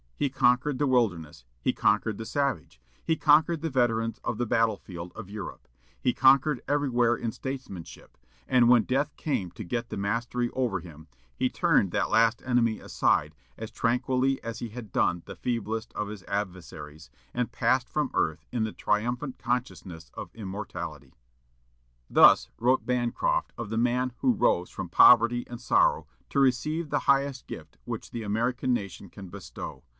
He conquered the wilderness; he conquered the savage; he conquered the veterans of the battle field of Europe; he conquered everywhere in statesmanship; and when death came to get the mastery over him, he turned that last enemy aside as tranquilly as he had done the feeblest of his adversaries, and passed from earth in the triumphant consciousness of immortality." Thus wrote Bancroft of the man who rose from poverty and sorrow to receive the highest gift which the American nation can bestow.